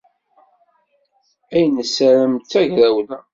Ay nessarem d tagrawla.